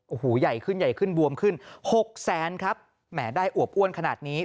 โอ้โหใหญ่ขึ้นใหญ่ขึ้นบวมขึ้นหกแสนครับแหมได้อวบอ้วนขนาดนี้